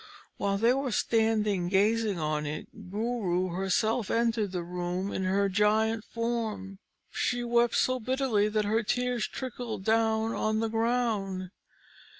While they were standing gazing on it, Guru herself entered the room in her giant form. She wept so bitterly, that her tears trickled down on the ground.